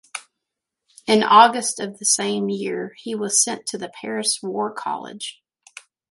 In August of the same year he was sent to the Paris War College.